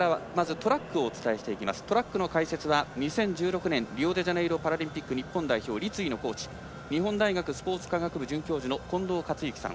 トラックの解説は、２０１６年リオデジャネイロパラリンピック日本代表立位のコーチ日本大学スポーツ科学部准教授の近藤克之さん。